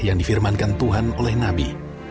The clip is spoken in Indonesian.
yang difirmankan tuhan oleh nabi